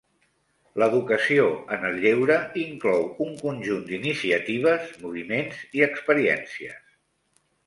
L'Educació en el lleure inclou un conjunt d'iniciatives, moviments i experiències.